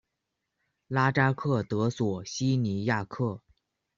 拉扎克德索西尼亚克。